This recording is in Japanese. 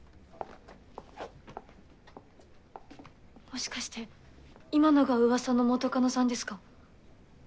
もしかして今のが噂の元カノさんですか？